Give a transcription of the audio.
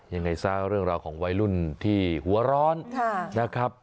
ยังไงซะเรื่องราวของวัยรุ่นที่หัวร้อนนะครับ